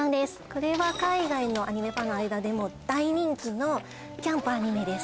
これは海外のアニメファンの間でも大人気のキャンプアニメです